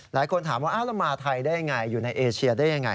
หลายคนถามว่าเรามาไทยได้ยังไงอยู่ในเอเชียได้ยังไง